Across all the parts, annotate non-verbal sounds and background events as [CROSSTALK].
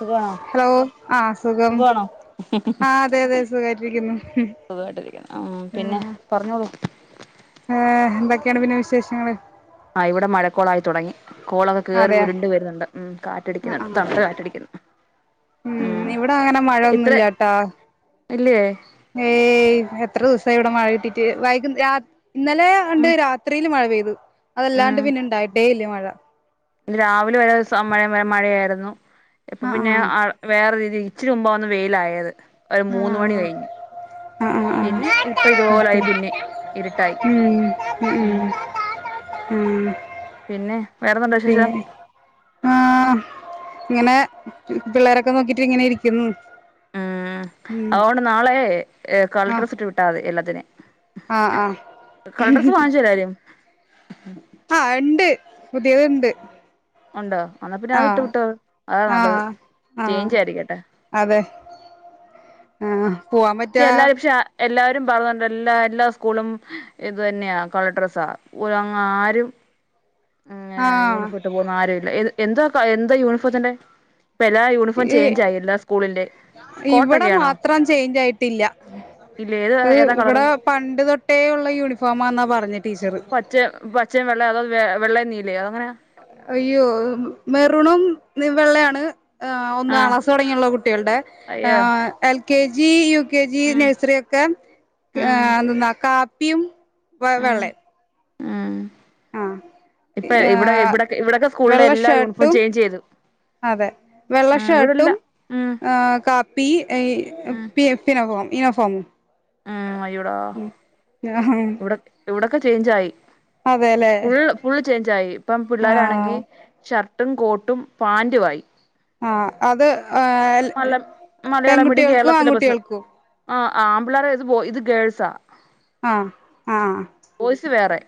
സുഖാണോ ഹലോ ആഹ് സുഖം സുഖാണോ ആ അതെ അതെ സുഖായിട്ടിരിക്കുന്നു. സുഖായിട്ടിരിക്ക്ണു ഉം പിന്നെ പറഞ്ഞോളൂ. ഏഹ് എന്തൊക്കെയാണ് പിന്നെ വിശേഷങ്ങള്. ആ ഇവിടെ മഴക്കോളായി തുടങ്ങി കോള് കേറി അതെയ ഉരുണ്ട് വരുന്നുണ്ട് ഉം ആഹ് കാറ്റടിക്കുന്നുണ്ട് ആഹ് തണുത്ത കാറ്റടിക്കുന്നു. ഉം ഇവിടെ അങ്ങനെ മഴയൊന്നുല്ലാട്ടാ ഇല്ല്യേ. ഏയ് എത്ര ദിവസായി ഇവിടെ മഴ കിട്ടീട്ട് വൈകു രാത് ഇന്നലെ ആണ്ട് ഉം രാത്രിയില് മഴ പെയ്തു അതല്ലാണ്ട് പിന്നെ ഇണ്ടായിട്ടേ ഇല്ല മഴ. ഇ രാവിലെ വരെ ദിവസ മഴ മഴയായിരുന്നു ഇപ്പൊ പിന്നെ ആഹ് ആ വേറെ രീതി ഇച്ചിരി മുമ്പൊന്നാ വെയിലായത് ഒരു മൂന്ന് മണി ആഹ് കഴിഞ്ഞ്. ആഹ് ആഹ് ആഹ് പിന്നെ ആഹ് ഇപ്പ ഓക്കെ ഇതുപോലായി പിന്നെ ഇരുട്ടായി ഉം ഉം. ഉം പിന്നെ വേറെന്തുണ്ട് വിശേഷം പിന്നെ ആഹ് ഇങ്ങനെ പിള്ളേരൊക്കെ നോക്കിട്ട് ഇങ്ങനെ ഇരിക്കുന്നു. ആഹ് ഉം അഓണ്ട് നാളെ. ഏ കളർ ആഹ് ഡ്രസ്സ് ഇട്ട് വിട്ടാതി എല്ലാത്തിനും ആഹ് ആഹ് കളർ ഡ്രസ്സ് വാങ്ങിച്ചല്ലാരും. ആഹ് ണ്ട് പുതിയത്ണ്ട്. ഉണ്ടോ എന്നാ പിന്നെ അത് ഇട്ട് ആഹ് വിട്ടോ അതാ നല്ലത് ആഹ് ആഹ് ചേഞ്ച് ആയിരിക്കട്ടെ. അതെ ആഹ് പോവാൻ പറ്റ് ക്ഷെ എല്ലാരും പക്ഷെ എല്ലാരും പറഞ്ഞണ്ട് എല്ലാ എല്ലാ സ്കൂളും. ഇത് തന്നെയാ കളർ ഡ്രസ്സ ആരും. ഏഹ് ആഹ് യൂണിഫോർം ഇട്ട് പോന്ന ആരും ഇല്ല എന്തോ എന്താ യൂണിഫോർത്തിന്റെ. ഇപ്പ എല്ലാ യൂണിഫോം ഈ ചേഞ്ച് ആയി എല്ലാ സ്കൂളിന്റെ ഇവിടെ കോട്ടക്കൊണോ. മാത്രം ത് ഇവിടെ പണ്ട് തൊട്ടേ ഉള്ള യൂണിഫോമാന്നാ പറഞ്ഞെ ടീച്ചർ. റ്റ പച്ചയും വെള്ള അത് വെ വെള്ളേം നീലേയോ എങ്ങനെയാ? അയ്യോ മെറുണും വെള്ളയാണ്. ആഹ് ഒന്നാം ക്ലാസ് തുടങ്ങിയുള്ള കുട്ടികൾടേ അയ്യോ ഏഹ് L K G U K G ഉം നഴ്സറി ഒക്കെ ഉം ഏഹ് എന്തെന്നാ കാപ്പിയും വ ഉം വെള്ളയും. ഉം ആഹ് ഇപ്പ ഇവിടെ ഏഹ് ഇവിടെ ഇവിടെക്കെ സ്കൂളില വെള്ള എല്ല യൂണിഫോം ഷർട്ടും ചേഞ്ച്യ്തു. അതെ വെള്ള ഷർട്ടും ഉം ഏഹ് കാപ്പി ഉം പി പിനഫോം യൂനി ഫോം. ഉം അയ്യൊടാ. ഉം യാ ഹേ ഇവിടെക്കെ ചേഞ്ചയി അതെല്ലേ ഫുൾ ഫുൾ ചേഞ്ച് ആയി ഇപ്പം ആഹ് പിള്ളേരാണെങ്കി. ഷർട്ടും കോട്ടും പാന്റു ആയി. ആഹ് അത് ഏഹ് മല മലയാളം മീഡിയം കേരള പെൺകുട്ടികൾക്കും സിലബസ് ആൺകുട്ടികൾക്കും. ആഹ് ആമ്പിള്ളേർ ഇത് ഇത് ഗേൾസാ. ആഹ് ആഹ് ബോയ്സ് വേറെ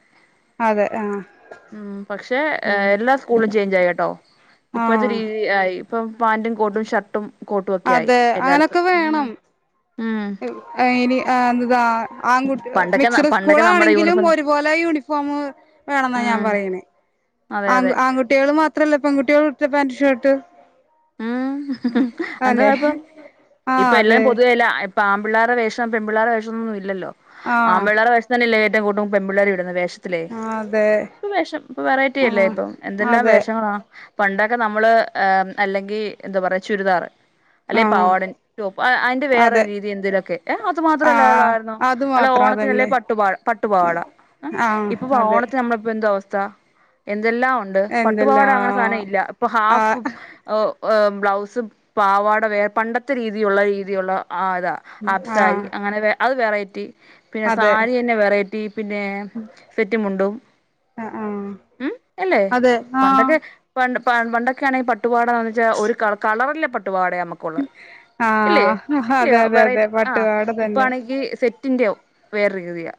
അതെ ആഹ് ഉം പക്ഷെ ഉം എല്ലാ സ് കൂളും ചേഞ്ച് ആയി കേട്ടോ ഇപ്പോഴത്തെ ആഹ് രീതി ആയി ഇപ്പ പാന്റും കോട്ടും ഷർട്ടും കോട്ടു ഒക്കെ ആയി അതെ എല്ലായിടത്തും ഉം ഉം ആയ് ഇനി ആ എന്തതാ ആൺകുട്ടികൾ പണ്ടൊക്കെ മിക്സ്ഡ് പണ്ടൊക്കെ നമ്മുടെ സ്കൂളാണെങ്കിലും യൂണിഫോം ഒരുപോലെ യൂണിഫോം വേണെന്നാ ഞാൻ ഉം പറയണേ അതെ ആൺ അതെ ആൺകുട്ടികൾ മാത്രല്ല പെൺകുട്ടികൾ ഇടട്ടെ പാന്റ് ഷർട്ട് ഉം എന്താ അല്ലെ കുഴപ്പം ആഹ് ഇപ്പ എല്ലാം അതെ പൊതുവല്ല ഇപ്പ ആമ്പിള്ളേർ വേഷം പെ മിള്ളേരു വേഷം ഒന്നും ഇല്ലല്ലോ ആഹ് ആമ്പിള്ളേർ വേഷ് തന്നല്ലേ ഏറ്റവും കൂട്ടും പെമ്പിള്ളെരി വിടുന്ന വേഷം ത്തിലെ ആഹ് അതെ ഇപ്പ വെഷ വെറൈറ്റില്ലേ ആഹ് ഇപ്പൊ എന്തെല്ലാം അതെ വേഷങ്ങളാ പണ്ടൊക്കെ നമ്മള് അല്ലെങ്കി എന്താ പറയാ ചുരിദാറ് അല്ലെ ആഹ് പവാട ടോപ്പ് അതിന്റെ വേറെ അതെ രീതി എന്തിനാക്കെ ഏ അത് മാത്രമല്ലള്ള ആഹ് കാരണം അത് മാത്രം ഓണത്തിലെ അല്ലെ അതന്നെ പട്ടു- ട്ടുപാവാ പട്ടുപാവാട ആഹ് ഇപ്പൊ അതെ പോഓണത്തി നമ്മളിപ്പോ എന്തോ അവസ്ഥ എന്തെല്ലാം ഉണ്ട് എന്തെല്ലാ പട്ടുപാവാട അങ്ങനെ സാധനം ഇല്ല ഇപ്പൊ ഹാഫ് ആഹ് ബ്ലൗസ് പാവാട വേർ പണ്ടത്തെ രീതിയുള്ള രീതിയുള്ള ആ ഇതാ ആഫ്സാരി ആഹ് അങ്ങനെ അത് വെറൈറ്റി പിന്നെ അതെ സാരി തന്നെ വെറൈറ്റി പിന്നെ സെറ്റ് മുണ്ടും ആഹ് ഉം എല്ലേ? അതെ ആഹ് പണ്ടക്കെ പ പണ്ടൊക്കെ ആണെങ്കി പട്ടുപാവാട വാങ്ങിച്ചാ ഒരു കളറിലെ പട്ടുപാട നമുക്ക് ഒള്ളത് ഇല്ലേ? ആഹ് ഇല്ലേ അതെ അതെ അതെ വെറെറ്റി ആഹ് പട്ടുപാവാട തന്നെ ഇപ്പയാണെങ്കി സെറ്റ് റ്റിന്റെയൊ വേറൊരു രീതിയ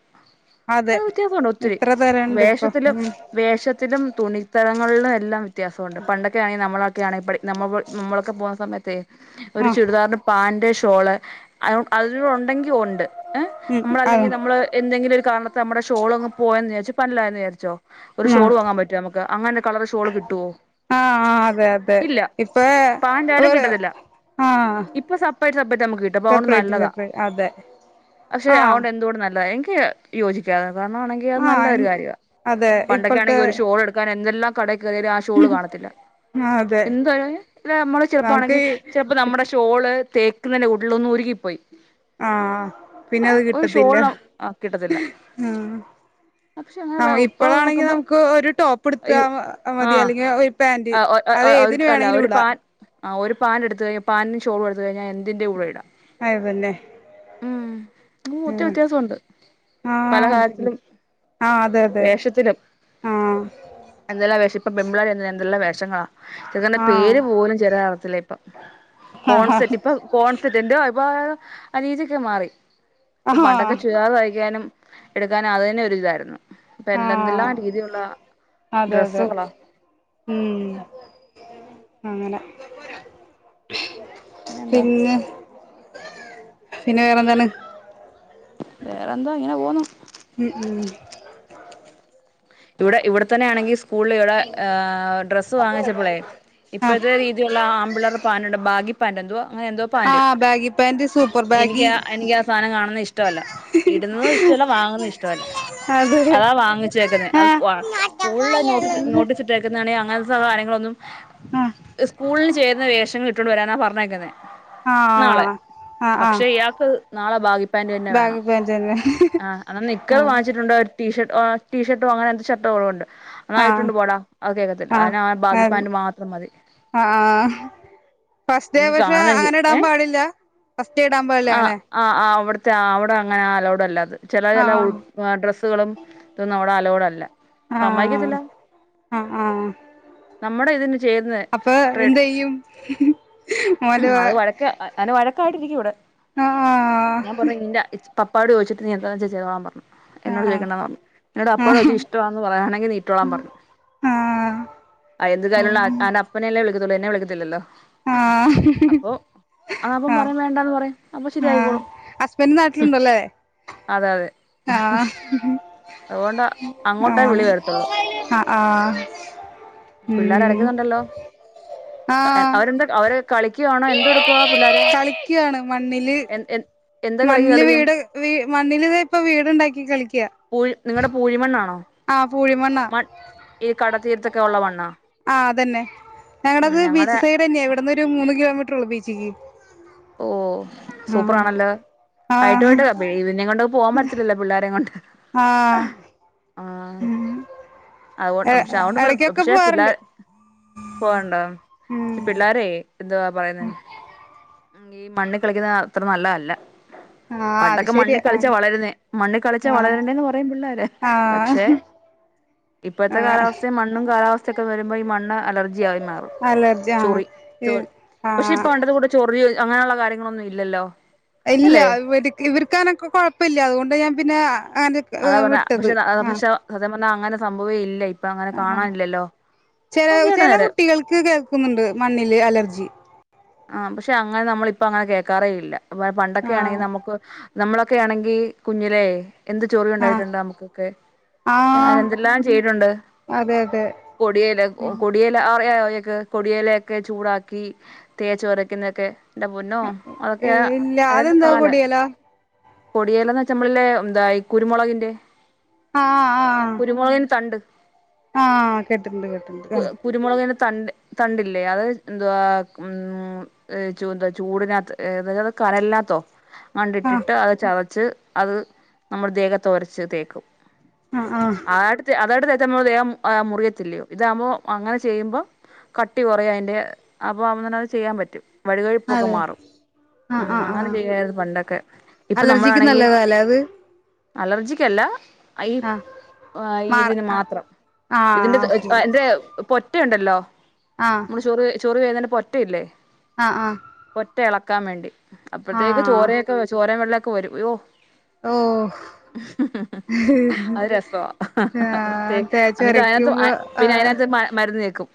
ആ അതെ വ്യത്യാസവുണ്ട് ഒത്തിരി എത്ര തരണ്ട് ഇപ്പൊ വേഷത്തിലും ഉം വേഷത്തിലും തുണിത്തരങ്ങളിലും എല്ലാം വ്യത്യാസമുണ്ട് പണ്ടൊക്കെ ആണെങ്കി നമ്മളൊക്കെയാണെങ്കി നമ്മ നമ്മളൊക്കെ പോകുന്ന സമയത്തെ ഒരു ആഹ് ചുരിദാറിന് പാന്റ്, ഷോള് അതിന്റെ കൂടെ ഒണ്ടെങ്കി ഒണ്ട് ഏഹ് ഉം നമ്മളല്ലെങ്കി ആഹ് നമ്മള് എന്തെങ്കിലൊരു കാരണത്ത നമ്മടെ ഷോളങ് പോയന്ന് വിചാരിച്ചൊ പന്നലായെന്ന് വിചാരിച്ചോ ഒരു ഷോൾ ആഹ് വാങ്ങാൻ പറ്റോ നമക്ക് ക്ക് അങ്ങനൊരു കളർ ഷോൾ കിട്ടുവോ? ആഹ് അതെ അതെ ഇല്ല ഇപ്പഴെ പാന്റ് ആയാലും ഒരു കിട്ടത്തില്ല ആഹ് ഇപ്പൊ സെപ്പറേറ്റ് സെപ്പറേറ്റ് നമുക്ക് കിട്ടും അപ്പൊ അതുകൊണ്ട് സെപ്പ്രേറ്റ് നല്ലതാ സെപ്പ്രേറ്റ് അതെ പക്ഷെ അതു ആഹ് കൊണ്ട് എന്തുകൊണ്ടും നല്ലതാ എനിക്ക് യോജിക്കാന് കാരണവാണെങ്കി അത് നല്ലൊരു ആഹ് കാര്യവാ അതെ പണ്ടക്കെ ഇപ്പോഴത്തെ ആണെങ്കിൽ ഒരു ഷോളെടുക്കാൻ എന്തെല്ലാം കടേ കേറിയാലും ആ ഷോള് കാണത്തില്ല ആഹ് അതെ എന്തായാലും ഇല്ല നമ്മള് നമുക്ക് ചെറുപ്പാണെങ്കി ചെലപ്പോ നമ്മുടെ ഇഷ്ട ഷോള് തേക്കുന്നന്റെ കൂട്ടിലൊന്ന് ഉരുകിപ്പോയി ആഹ് പിന്നെ ആഹ് അത് ഒരു കിട്ടത്തില്ല ഷോൾ കിട്ടത്തില്ല ആഹ് പക്ഷെ അങ്ങനെ ആഹ് ഇപ്പോ ഇപ്പോഴാണെങ്കി നോക്കുമ്പം നമുക്ക് ഒരു ടോപ്പ് എടുത്താ അയ്യോ! മതി ആഹ് അല്ലെങ്കിൽ ഒരു പാന്റ് അത് ആഹ് ഒരു ഏതിന് അല്ല വേണമെങ്കിലും ഒരു ഇടാം പാൻ ആ ഒരു പാൻഡ് എടുത്ത് കഴിഞ്ഞാൽ പാന്റും ഷോളും എടുത്ത് കഴിഞ്ഞാൽ എന്തിന്റെ കൂടെയിടാം അത് തന്നെ ഉം ഒത്തിരി പിന്നെ വ്യത്യാസമുണ്ട് പല ആഹ് കാര്യത്തിലും ആഹ് അതെ അതെ വേഷത്തിലും ആഹ് എന്തെല്ലാം വേഷം ഇപ്പൊ പെംപിള്ളാർ തന്നെ എന്തെല്ലാം വേഷങ്ങളാ ചെലതിന്റെ ആഹ് പേര് പോലും ചെലര് അറിയത്തില്ല ഇപ്പൊ കോൺസെറ്റ് ഇപ്പൊ ആഹ് കോൺസെപ്റ്റോ എന്റോ അഭിപ്രായം ആ രീതിയൊക്കെ മാറി ഇപ്പൊ പണ്ടൊക്കെ ആഹ് ചുരിദാർ തയ്ക്കാനും എടുക്കാനും അത് തന്നെ ഒരു ഇതായിരുന്നു. ഇപ്പ ആഹ് എന്തെല്ലാം രീതികളാ അതെ അതെ ഡ്രസ്സുകളാ ഉം അങ്ങനെ പിന്നെന്താ പിന്നെ? പിന്നെ വേറെന്താണ്? വേറെ എന്താ ഇങ്ങനെ പോവുന്നു ഉം ഉം ഇവിടെ ഇവിടെത്തന്നെയാണെങ്കിൽ സ്കൂളിൽ ഇവിടെ ഏഹ് ഡ്രസ്സ് വാങ്ങിച്ചപ്പളെ ആ ഇപ്പഴത്തെ രീതി യുള്ള ആ ആംമ്പിള്ളാര്‌ടെ പാൻ്റുണ്ട് ബാഗി പാന്റ് എന്തുവ? അങ്ങനെന്തോ ആ പാന്റ്? ബാഗി പാന്റ് സുപ്പർ എനിക്ക് ആ എനിക്ക് ആ സാധനം കാണുന്നത് ഇഷ്ടവല്ല ഇടുന്നതും ഇഷ്ടവല്ല വാങ്ങുന്നതും ഇഷ്ടമല്ല അതെ അതാ വാങ്ങിച്ചേക്കുന്നേ അത് സ്കൂൾ ആ സ്കൂളിലെ നോട്ടീസ് നോട്ടീസ് ഇട്ടേക്കുന്നെ ആണെ ഈ അങ്ങനത്തെ കാര്യങ്ങളൊന്നും സ്കൂളിന് ചേരുന്ന വേഷങ്ങൾ ഇട്ടോണ്ട് വരാന പറഞ്ഞേക്കുന്നെ ആഹ ആഹ് പക്ഷെ ഇയാൾക്ക് നാളെ ബാഗിപ്പാന്റ് തന്നെ വേണം ബാഗി പാന്റ് തന്നെ ആഹ് എന്നാ ആ നിക്കർ വാങ്ങിച്ചിട്ടുണ്ട് ടീ ഷർ്ട്ട് ഏഹ് ടീ ഷർട്ടും അങ്ങനെ എന്തു ഷർട്ടുകളോ ഉണ്ട് എന്നാ ആ അത് ഇട്ടോണ്ട് പോടാ അത് കേൾക്കത്തില്ല അവന് ആ ബഗിപ്പാൻ്റ് മാത്രം മതി ആഹ് ഫസ്റ്റ് ഡേ എനിക്ക് പക്ഷെ കാണുന്ന എനിക്ക് അങ്ങനെ ഇടാൻ ഏഹ് പാടില്ല ഫസ്റ്റ് ഡേ ഇടാൻ പാടില്ല ആഹ് അങ്ങനെ ആഹ് ആഹ് അവിടുത്തെ അവിടെ അങ്ങനെ അലോഡ് അല്ലാത് ചില ആ ചില ഡ്രസ്സുകളും ഇതെന്നും അവിടെ അല അലോട് അല്ല ആ നമ്മതിക്കത്തില്ല ആ ആ നമ്മടെ ഇതിന് ചേരുന്ന അപ്പൊ എന്ത് ചെയ്യും ഉം മോന്റെ അത് വഴക്ക് അന് വഴക്കായിട്ടിരിക്കും ഇവിടെ ഞാൻ ആഹ് പറഞ്ഞു നിന്റെ പപ്പാട് ചോദിച്ചിട്ട് നീ എന്താ വച്ചാ ചെയ്തോളാ പറഞ്ഞ് എന്നോട് ആഹ് ചോദിക്കണ്ട പറഞ്ഞു എന്നോട് അപ് എപ്പോളാ ആഹ് വച്ചി ഇഷ്ടവാന്ന് പറയാണെങ്കിൽ നീട്ടോളം പറഞ്ഞു ആഹ് ആഹ് എന്ത് കാര്യമുള്ള ആൻ ആൻ്റെ അപ്പനെന്നല്ലേ വിളിക്കതൊള്ളൂ എന്നെ വിളിക്കത്തില്ലല്ലോ ആഹ് ആഹ് അപ്പൊ അവൻ ആഹ് പറയും വേണ്ടാന്ന് പറയും അപ്പൊ ആഹ് ശരിയായിക്കോളും ഹസ്ബൻഡ് നാട്ടിലുണ്ടല്ലേ അതെ അതെ ആഹ് അതുകൊണ്ട് അങ്ങോട്ടേ വിളി ആഹ് വരത്തുള്ളൂ ആഹ് ആഹ് പിള്ളോര് ഉം അരക്കുന്നുണ്ടല്ലോ ആഹ് അവരെന്താ അവര് കളിക്കുവാണോ എന്ത് എടുക്കുവാ പിള്ളോര് കളിക്കാണ് മണ്ണില് ഏഹ് മണ്ണില് വീട് മണ്ണില് ഇപ്പം വീടുണ്ടാക്കി കളിക്കാ പൂഴി നിങ്ങളുടെ പൂഴിമണ്ണാണോ പൂഴിമണ്ണാ മൺ ഈ കടതീരത്തൊക്കെ ഉള്ള മണ്ണാ ആഹ് അതന്നെ ഉം ഞങ്ങളടത് ഞങ്ങടെ ബീച്ച് സൈഡ് തന്നെയാ ഇവിടന്ന് ഒരു മൂന്ന് കിലോമീറ്റർ ഉള്ളു ബീച്ചിക്ക് ഓ ആഹ് സൂപ്പറാണല്ലോ വൈകിട്ട് ആഹ് പോയിട്ട് ഇതിനെയും കൊണ്ട് പോവാൻ പറ്റില്ലല്ലോ പിള്ളാരെ കൊണ്ട് ആഹ് ആഹ് അയോണ്ട് എ പക്ഷെ അയോണ്ട് എടക്കൊക്കെ പക്ഷെ പിള്ളേ പോവാറുണ്ട് പോണ്ടോ ഉം പിള്ളോര് എന്തുവാ പറയുന്നേ ഈ മണ്ണ് കളിക്കുന്നത് അത്ര നല്ലതല്ല ആഹ് അത് പണ്ടൊക്കെ മണ്ണി ശരിയാ കളിച്ചാ ആഹ് വളരുന്നേ മണ്ണ് കളിച്ചാ ആഹ് വളരണ്ടേന്ന് പറയും പിള്ളേര് പക്ഷെ ആഹ് ഇപ്പോഴത്തെ ആഹ് കാലാവസ്ഥൽ മണ്ണും കാലാവസ്ഥയൊക്കെ വരുമ്പോ ഈ മണ്ണ് അലർജിയ ആയി മാറും ചോറി ഇ പക്ഷെ ഇപ്പൊ ഉണ്ടത് കൂടെ ചൊറിയ അങ്ങനെയുള്ള കാര്യങ്ങളൊന്നും ഇല്ലല്ലോ ഇല്ല അല്ലേ ഇവര്ക്ക് ഇവ രക്കാനൊക്കെ കൊഴപ്പല്ല അതുകൊണ്ട് ഞാൻ പിന്നെ അങ്ങനെ അതാ പറഞ്ഞേ വിട്ടത് പക്ഷെ ആഹ് പക്ഷെ സത്യം പറഞ്ഞാൽ അങ്ങനെ സംഭവേ ഇല്ലേ ആഹ് ചില കേട്ട ചില നേരെ കുട്ടികൾക്ക് കേൾക്കുന്നുണ്ട് മണ്ണില് അലർജി ആഹ് പക്ഷെ അങ്ങനെ നമ്മളിപ്പ അങ്ങനെ കേൾക്കാറേ ഇല്ല പണ്ടൊക്കെ ആണെങ്കിൽ ആഹ് നമുക്ക് നമ്മളൊക്കെ ആണെങ്കി കുഞ്ഞിലേ എന്ത് ചോറിയ ആഹ് ഉണ്ടായിട്ടുണ്ട് നമ്മുക്കൊക്കെ ഞാൻ ആഹ് എന്തെല്ലാം ചെയ്തുണ്ട് അതെ അതെ പോടിയല് ഒ ഉം കൊടിയ- അറിയ [UNINTELLIGIBLE] കൊടിയലേക്ക് ഒക്കെ ചൂടാക്കി തേച്ച് പോരക്കുന്നൊക്കെ എന്റെ പൊന്നോ അതൊക്കെയ ഇല്ല അ അതെന്താ കാല് കൊടിയലോ കൊടിയേല എന്ന് വെച്ചാ നമ്മള്ല്ലോ എന്താ ഈ കുരുമുളകിന്റെ ആഹ് കുരുമുളകിന്റെ തണ്ട് ആഹ് കെട്ടിണ്ട് കെട്ടിണ്ട് ആഹ് കുരുമുളകിന്റെ തണ്ട് തണ്ടില്ലേ അത് എന്തുവാ ഉം ചൂന്താ ചൂടിനകത്ത് ത് കനലിനകത്തോ ആഹ് കണ്ടിട്ടിട്ട് അത് ചതച്ച് അത് നമ്മുടെ ദേഹത്തോരച്ച് തേക്കും ആഹ് ആഹ് അതയിട്ട അതായിട്ടതേച്ച നമ്മൾ ദേഹം മുറിയത്തില്ലയോ ഇതാവുമ്പോ അങ്ങനെ ചെയ്യുമ്പോ കട്ടി കുറയ അതിൻ്റെ ഓ അങ്ങനെ അത് ചെയ്യാൻ പറ്റും വഴുവഴുപ്പൊക്കെ അതെ മാറും ആഹ് ഉം ആഹ് അങ്ങനെ ആഹ് ചെയ്യയിരുന്നു പണ്ടൊക്കെ ഇപ്പൊ അലർജിക്ക് നമ്മളാണെങ്കി നല്ലതാല്ലേ അത് അലർജിക്കല്ല ഈ ആഹ് മാറ ഇതിന് ആഹ് മാത്രം ആഹ് ഇതിന്റെ ഓക്കെ എന്റെ പൊറ്റ ഉണ്ടല്ലോ ആഹ് ചൊറി ചൊറി വേത പൊറ്റയില്ലേ ആഹ് ആഹ് പൊറ്റ ഇളക്കാൻ വേണ്ടി അപ്പത്തേക്ക് ആഹ് ചോരൊക്കെ ചോരേം വെള്ളമൊക്കെ വരും അയ്യോ ഓഹ് അത് രസവ പ്രത് ആഹ് തേച്ച് എന്നിട്ട് അതിനകത്ത് ഒരക്കുമ്പോ പിന്നെ ആഹ് അതിനകത്ത് മരുന്ന് തേക്കും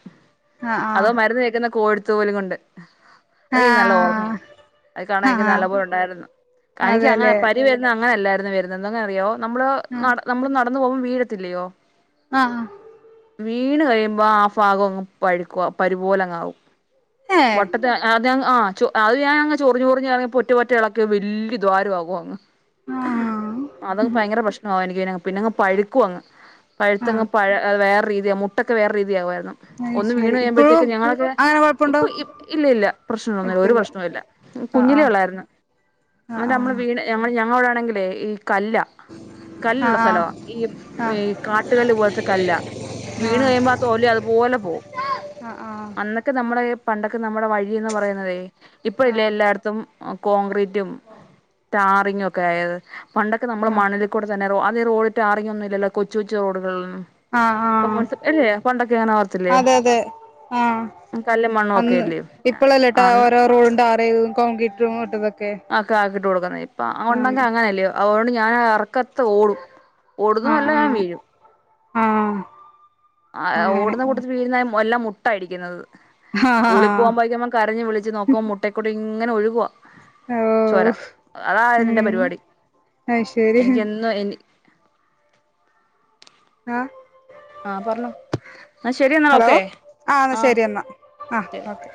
ആഹ് അതോ മരുന്ന് തേക്കുന്നത് കോഴി തൂവല് കൊണ്ട് എനിക്ക് നല്ല ഓർമ്മയാ ആഹ് അത് കാണാൻ എനിക്ക് ആഹ് ആഹ് നല്ലപോല ഉണ്ടായിരുന്നു എനിക്ക് അങ്ങനെ അതെല്ലേ പരുവരുന്നത് അങ്ങനെ അല്ലായിരുന്നു വര ണത് എന്തെന്ന അറിയോ നമ്മള് ആഹ് നട നമ്മള് നടന്നന്ന് പോകുമ്പോ വീഴത്തില്ലയോ ആഹ് ഹ വീണ് കഴിയുമ്പോ ആ ഭാഗംങ്ങ് പഴുക്കും പരുപോലങ്ങ് ആവും ഏഹ് മൊട്ട അതങ്ങ് ആ അത് ഞാനങ് ചൊറിഞ്ഞ് ചൊറിഞ്ഞ് പൊറ്റ പൊറ്റ ഇളക്ക് വല്യയ ദാരമാവും അങ്ങ് ആഹ് അതങ്ങ് ഭയങ്കര പ്രശ്നവും എനിക്ക് പിന്നെങ്ങ് പഴുക്കും അങ്ങ് പഴുത്തങ്ങ് ആഹ് പഴ വേറെ രീതിയ മുട്ടൊക്കെ വേറെ രീതിയാകുമായിരുന്നു അത് ഒന്ന് വീണ് ശരി ഇപ്പഴും കഴിയുമ്പോഴത്തേക്കും ഞങ്ങളൊക്കെ അങ്ങനെ കൊഴപ്പുണ്ടോ ഇപ്പൊ ഇ ഇല്ല ഇല്ല പ്രശ്നം ഒന്നുമില്ല ഒരു ഇപ്പല്ല പ്രശ്നല്ല ആഹ് കുഞ്ഞിലെള്ളായിരുന്നു ആഹ് എന്ന നമ്മള് വീട് ഞമ്മ ഞങ്ങവിടെ ആണെങ്കിലേ ഈ കല്ല ആഹ് കല്ലുള്ള ആഹ് സ്ഥലമാ ഈ ആഹ് ആഹ് ആഹ് ആഹ് ആഹ് കാട്ടുകല്ല് പോലത്തെ കല്ല വീണ് കഴിയുമ്പോ തൊലി അതുപോലെ ഓ ആഹ്ആഹ് ക്കെ നമ്മടെപണ്ടൊക്കെ നമ്മുടെ വഴിന്ന് പറയുന്നതെ ഇപ്പ ഇല്ലെ എല്ലായിടത്തും കോൺക്രീറ്റും ടാറിങ്ങും ഒക്കെ ആയത് പണ്ടൊക്കെ നമ്മള് ആഹ് മണിൽ കൂടെ തന്നെ അന്ന് റോഡ്ടാറിങ്ങ് ഒന്നു ഇല്ലല്ലോ കൊച്ചു കൊച്ചു റോഡുകളിൽ ഒന്നും ആഹ് ആഹ് ഇല്ലെ പണ്ടൊക്കെങ്ങനെ ഓർത്തില്ലേ അതെ അതെ ആഹ് കല്ല് അന്ന് ഇപ്പോഴല്ലേട്ടാ ഓരോ റോഡ് ടാറ് ചെയ്തതും കോൺക്രീറ്റ് ഇട്ടതൊക്കെ ഒക്കെ ആക്കിട്ട് കൊടുക്കുന്ന ഇപ്പ അ ആഹ് ഉണ്ടെങ്കി അങ്ങനെയല്ലോ അതുകൊണ്ട് ഞാൻ ഇറക്കത്തെ ഓടും ഓടുന്നല്ല ഞാൻ വീഴും അഹ് അഹ് അഹ് ആ ഓടുന്ന കൂട്ടത്തി വീഴുന്ന എല്ലാം മുട്ടായിടിക്കുന്നത് സ്കൂളിൽ ആഹ് പോകുമ്പോഴേക്കും നമ്മ കരഞ്ഞ് വിളിച്ച് നോക്കുമ്പോ മുട്ടേക്കൂടി ഇങ്ങനെ ഒഴുകുവാ ചോര ഓഹ് അതായിരുന്നു എന്റെ ഉം പരിപാടി അയ്ശരി എനിക്കും എന്നും ആഹ് ആഹ് പറഞ്ഞോ ആ ശെരി എന്നാ ഹലോ ഓക്കെ എന്നാ ആഹ് ശരി എന്നാ ആഹ് ശെരി ഓക്കെ